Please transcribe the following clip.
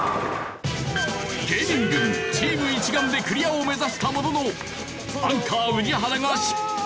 芸人軍チーム一丸でクリアを目指したもののアンカー宇治原が失敗！